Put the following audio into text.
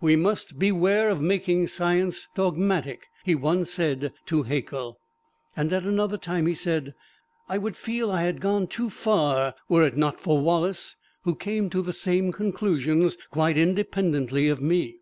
"We must beware of making science dogmatic," he once said to Haeckel. And at another time he said, "I would feel I had gone too far were it not for Wallace, who came to the same conclusions, quite independently of me."